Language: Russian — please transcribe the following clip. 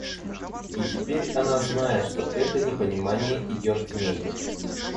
И теперь она знает, что это непонимание идет к ней.